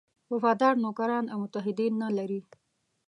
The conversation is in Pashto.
وفادار نوکران او متحدین نه لري.